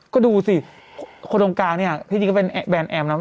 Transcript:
ก็ดูสิคนตรงกลางเนี่ยพี่จริงก็เป็นแบรนด์แอมนะ